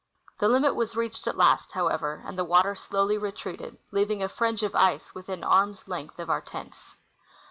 The limit Avas reached at last, however, and the Avater sloAvly re treated, leaving a fringe of ice within arm's length of our tents.